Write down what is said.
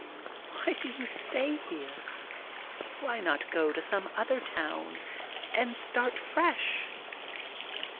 Why do you stay here? Why not go to some other town and start fresh?